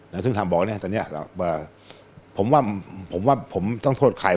ซึ่งทางบอกเนี้ยตอนเนี้ยว่าผมว่าผมว่าผมต้องโทษใคร